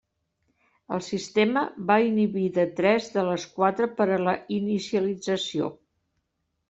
El sistema va inhibir de tres de les quatre per a la inicialització.